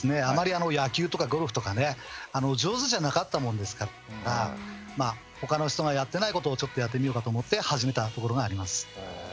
あまり野球とかゴルフとかね上手じゃなかったもんですから他の人がやってないことをちょっとやってみようかと思って始めたところがあります。